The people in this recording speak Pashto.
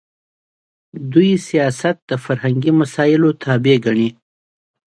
دوی سیاست د فرهنګي مسایلو تابع ګڼي.